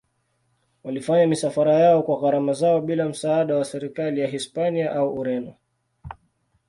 Walifanya misafara yao kwa gharama zao bila msaada wa serikali ya Hispania au Ureno.